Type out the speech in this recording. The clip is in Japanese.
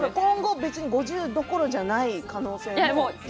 今後５０どころじゃない可能性も。